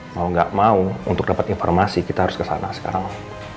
mau nggak mau untuk dapat informasi kita harus kesana sekarang